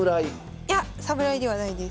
いや侍ではないです。